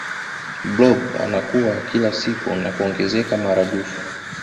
blob anakua kila siku na kuongezeka maradufu